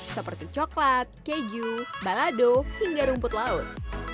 seperti coklat keju balado hingga rumput laut